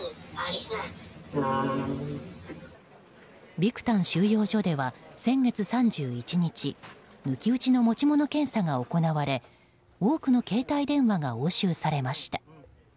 ビクタン収容所では先月３１日抜き打ちの持ち物検査が行われ多くの携帯電話が押収されました。